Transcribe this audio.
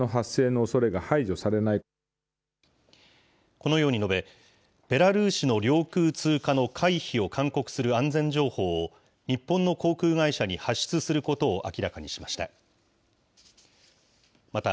このように述べ、ベラルーシの領空通過の回避を勧告する安全情報を、日本の航空会社に発出することを明らかにしました。